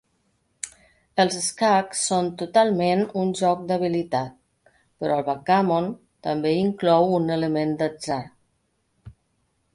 Els escacs són totalment un joc d'habilitat, però el backgammon també inclou un element d'atzar